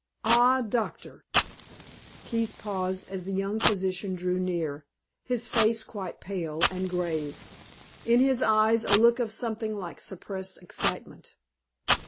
Ah, Doctor " Keith paused as the young physician drew near, his face quite pale and grave, in his eyes a look of something like suppressed excitement.